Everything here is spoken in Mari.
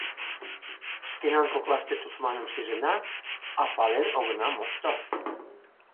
Шкенан коклаште тушманым шижына, а пален огына мошто.